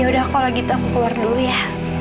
yaudah kalau gitu aku keluar dulu ya